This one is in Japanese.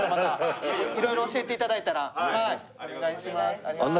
お願いします。